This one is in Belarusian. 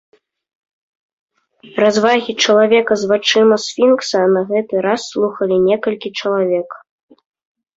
Развагі чалавека з вачыма сфінкса на гэты раз слухалі некалькі чалавек.